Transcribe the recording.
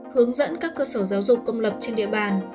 hướng dẫn các cơ sở giáo dục công lập trên địa bàn